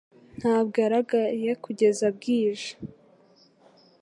Ntabwo yagaragaye kugeza bwije